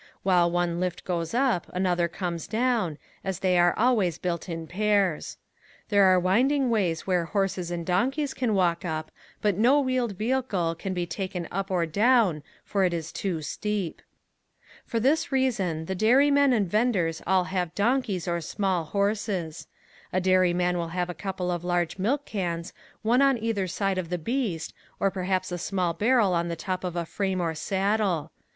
While one lift goes up another comes down as they are always built in pairs. There are winding ways where horses and donkeys can walk up but no wheeled vehicle can be taken up or down for it is too steep. For this reason the dairymen and venders all have donkeys or small horses. A dairyman will have a couple of large milk cans, one on either side of the beast, or perhaps a small barrel on the top of a frame or saddle.